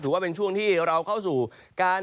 ว่าเป็นช่วงที่เราเข้าสู่การ